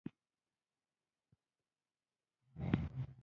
چای د انساني اړیکو پل دی.